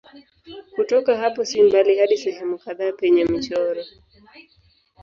Kutoka hapo si mbali hadi sehemu kadhaa penye michoro.